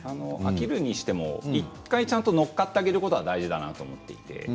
飽きるにしても１回ちゃんと乗っかってあげることは大事だなと思って。